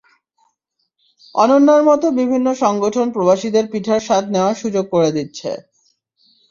অনন্যার মতো বিভিন্ন সংগঠন প্রবাসীদের পিঠার স্বাদ নেওয়ার সুযোগ করে দিচ্ছে।